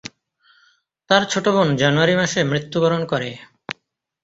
তার ছোট বোন জানুয়ারি মাসে মৃত্যুবরণ করে।